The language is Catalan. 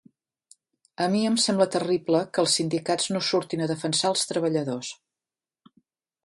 A mi em sembla terrible que els sindicats no surtin a defensar els treballadors.